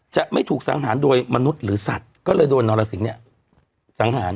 จะไม่ถูกสังหารโดยมนุษย์หรือสัตว์ก็เลยโดนนรสิงห์เนี่ยสังหาร